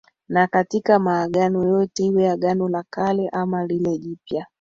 na katika maagano yote iwe Agano la Kale ama lile jipya